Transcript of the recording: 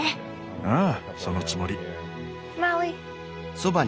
ああそのつもり。